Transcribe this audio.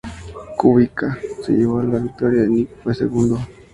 Kubica se llevó la victoria y Nick fue segundo.